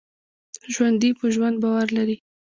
ژوندي په ژوند باور لري